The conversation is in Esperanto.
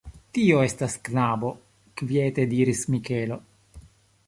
Tio estas knabo, kviete diris Mikelo.